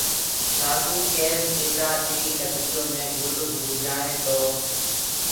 سآڌوٚ ڪيس ٻيٽآ تيريٚ لڪڙيو مي گُل اوگجآئينٚ تو